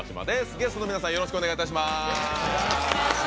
ゲストの皆さんよろしくお願いいたします。